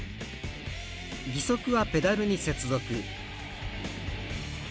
義足はペダルに接続。